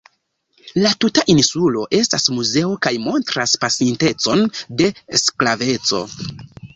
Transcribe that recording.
La tuta insulo estas muzeo kaj montras la pasintecon de sklaveco.